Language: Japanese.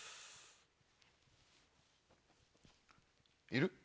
いる？